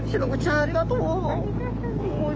ありがとね。